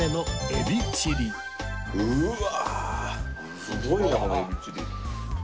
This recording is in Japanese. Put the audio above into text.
うわすごいなこのエビチリ。